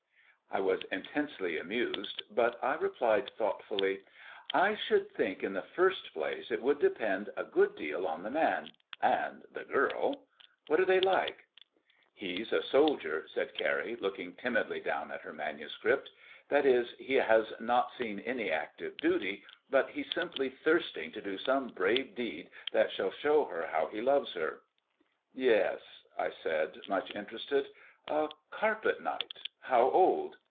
I was intensely amused, but I replied thoughtfully: "I should think in the first place it would depend a good deal on the man and the girl. What are they like?" "He's a soldier," said Carrie, looking timidly down at her manuscript. "That is, he has not seen any active service, but he's simply thirsting to do some brave deed that shall show her how he loves her." "Yes," I said, much interested. "A carpet knight; how old?"